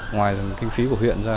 ngoài kinh phí của huyện ra